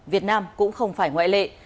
việt nam cũng không phải ngoại lệ